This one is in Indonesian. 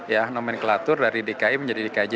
ya nomenklatur dari dki menjadi dikaji